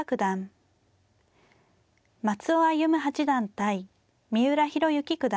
松尾歩八段対三浦弘行九段。